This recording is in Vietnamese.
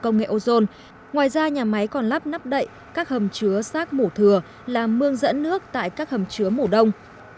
ngoài ra nhà máy còn lắp nắp đậy các hầm chứa sát mổ thừa làm mương dẫn nước tại các hầm chứa mổ đông